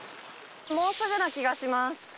もうすぐな気がします。